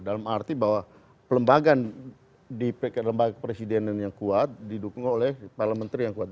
dalam arti bahwa kelembagaan di lembaga presiden yang kuat didukung oleh parliamentary yang kuat